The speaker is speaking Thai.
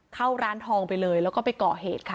เข้าร้านทองไปเลยแล้วก็ไปก่อเหตุค่ะ